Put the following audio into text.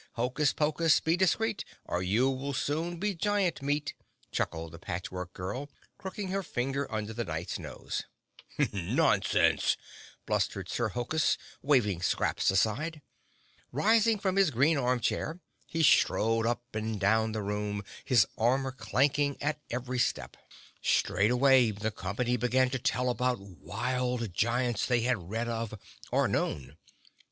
Hokus Pokus, be discreet, Or you will soon be giant meat!" chuckled the Patch Work Girl, crooking her finger under the Knight's nose. "Nonsense!" blustered Sir Hokus, waving Scraps aside. Rising from his green arm chair, he strode up and down the room, his armor clanking at every step. Straightway the company began to tell about wild giants they had read of or known.